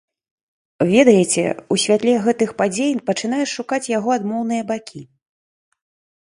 Ведаеце, у святле гэтых падзей пачынаеш шукаць яго адмоўныя бакі.